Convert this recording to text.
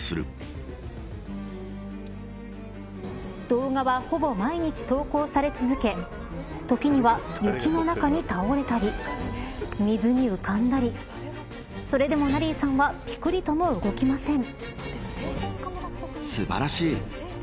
動画は、ほぼ毎日投稿され続け時には、雪の中に倒れたり水に浮かんだりそれでも、ナリーさんはぴくりとも動きません。